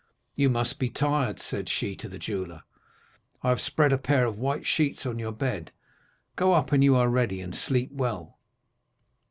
"'You must be tired,' said she to the jeweller; 'I have spread a pair of white sheets on your bed; go up when you are ready, and sleep well.